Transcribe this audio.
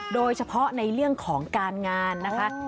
โดยเฉพาะในเรื่องของการงานนะคะ